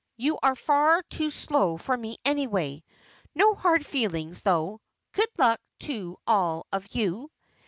You are far too slow for me anyway. No hard feelings, though good luck to all of you."